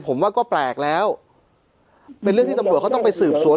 ผมว่าก็แปลกแล้วเป็นเรื่องที่ตำรวจเขาต้องไปสืบสวน